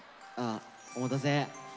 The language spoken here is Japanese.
お待たせ。